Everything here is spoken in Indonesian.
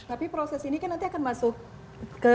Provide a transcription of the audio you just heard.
tapi proses ini kan nanti akan masuk ke